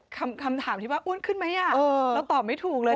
คำถามที่ว่าอ้วนขึ้นไหมเราตอบไม่ถูกเลย